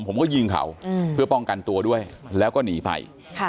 ผมก็ยิงเขาเพื่อป้องกันตัวด้วยแล้วก็หนีไป